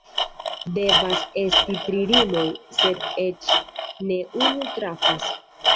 Devas esti tri rimoj, sed eĉ ne unu trafas.